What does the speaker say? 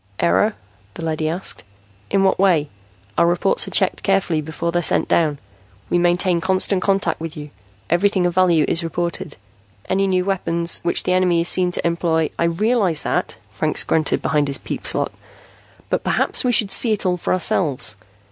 "Error?" the leady asked. "In what way? Our reports are checked carefully before they're sent down. We maintain constant contact with you; everything of value is reported. Any new weapons which the enemy is seen to employ " "I realize that," Franks grunted behind his peep slot. "But perhaps we should see it all for ourselves.